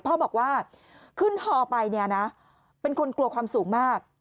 พ่อบอกว่าขึ้นฮอไปเนี่ยนะเป็นคนกลัวความสูงมาก